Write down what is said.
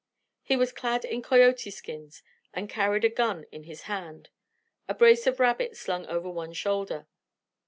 He was clad in coyote skins, and carried a gun in his hand, a brace of rabbits slung over one shoulder.